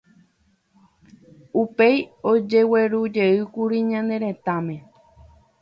Upéi ojeguerujeýkuri ñane retãme.